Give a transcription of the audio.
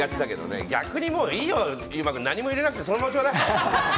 逆に、いいよ優馬君何も入れなくてそのままちょうだい。